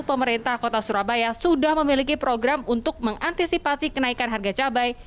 pemerintah kota surabaya sudah memiliki program untuk mengantisipasi kenaikan harga cabai